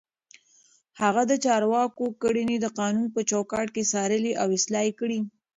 هغه د چارواکو کړنې د قانون په چوکاټ کې څارلې او اصلاح يې کړې.